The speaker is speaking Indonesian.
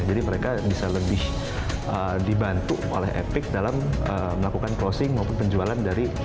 jadi mereka bisa lebih dibantu oleh epic dalam melakukan closing maupun penjualan dari